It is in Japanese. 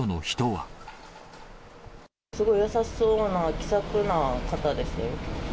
すごい優しそうな、気さくな方ですよ。